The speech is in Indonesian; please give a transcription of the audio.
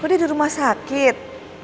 aku di rumah sakit